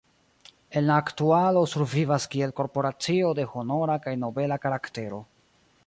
En la aktualo survivas kiel korporacio de honora kaj nobela karaktero.